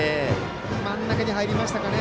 真ん中に入りましたかね。